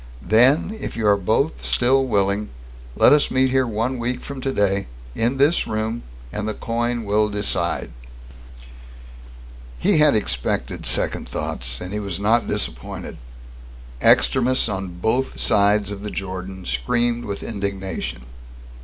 Then, if you are both still willing, let us meet here one week from today, in this room and the coin will decide!" He had expected second thoughts, and he was not disappointed. Extremists on both sides of the Jordan screamed with indignation.